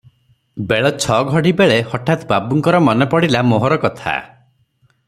ବେଳ ଛ ଘଡ଼ି ବେଳେ ହଠାତ୍ ବାବୁଙ୍କର ମନରେ ପଡ଼ିଲା ମୋହର କଥା ।